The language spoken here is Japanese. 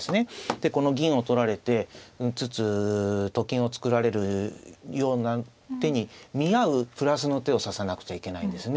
でこの銀を取られつつと金を作られるような手に見合うプラスの手を指さなくちゃいけないんですね。